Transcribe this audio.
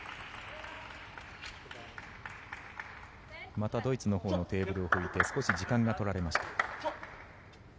またドイツのほうのテーブルを拭いて少し時間が取られました。